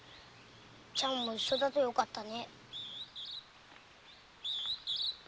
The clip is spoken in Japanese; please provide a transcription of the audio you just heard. ちゃんも一緒だとよかったね。